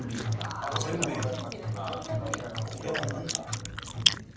これは何だ？